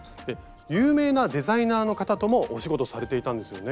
有名なデザイナーの方ともお仕事されていたんですよね？